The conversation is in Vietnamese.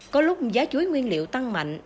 có lúc giá chuối nguyên liệu tăng mạnh